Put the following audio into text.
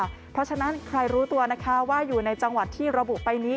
เพราะฉะนั้นใครรู้ตัวนะคะว่าอยู่ในจังหวัดที่ระบุไปนี้